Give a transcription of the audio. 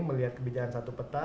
melihat kebijakan satu peta